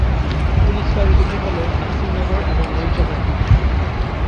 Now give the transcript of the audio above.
Police ফাঁড়ি দুটি হল- নাসিরনগর এবং মরিচাকান্দি।